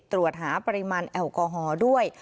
ตรวจหาปริมาณแอลกอฮอล์ด้วย